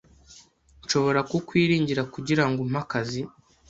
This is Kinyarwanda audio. Nshobora kukwiringira kugirango umpe akazi?